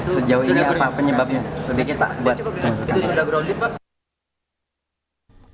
sejauh ini apa penyebabnya sedikit pak